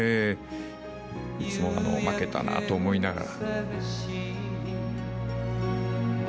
いつも負けたなと思いながら。